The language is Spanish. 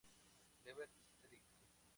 Líber Seregni.